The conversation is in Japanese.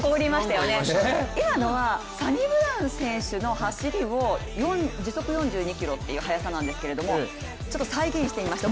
今のはサニブラウン選手の走りを、時速４２キロという速さなんですけれども再現してみました。